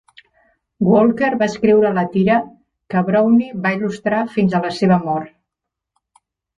Walker va escriure la tira, que Browne va il·lustrar fins a la seva mort.